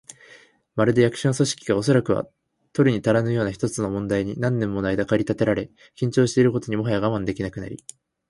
まるで、役所の組織が、おそらくは取るにたらぬような一つの問題に何年ものあいだ駆り立てられ、緊張していることにもはや我慢できなくなり、